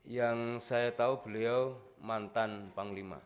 yang saya tahu beliau mantan panglima